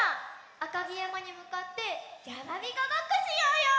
あかぎやまにむかってやまびこごっこしようよ！